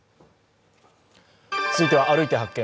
続いては「歩いて発見！